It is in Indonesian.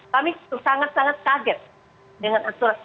kami sangat sangat kaget dengan aturan